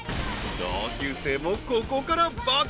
［同級生もここから爆食い］